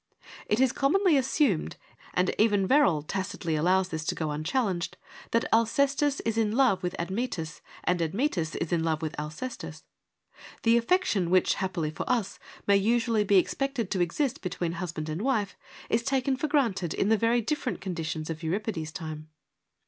It is commonly assumed — and even Verrall tacitly allows this to go unchallenged — that Alcestis ' is in love with ' Admetus, and Admetus ' is in love with ' Alcestis. The affection which, happily for us, may usually be expected to exist between husband and wife, is taken for granted in the very different conditions of Euripides' time.